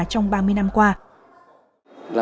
trong ba mươi năm qua